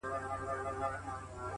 ورور له کلي لرې کيږي ډېر-